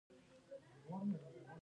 عضلات لنډیږي او اوږدیږي